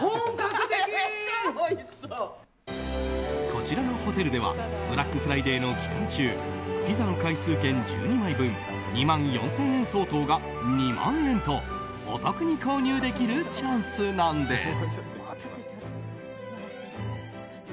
こちらのホテルではブラックフライデーの期間中ピザの回数券１２枚分２万４０００円相当が２万円とお得に購入できるチャンスなんです。